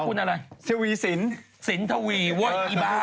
พูดอะไรสิวีสินสินทวีโว้ยอีบ้า